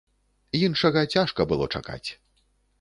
Іншага цяжка было чакаць.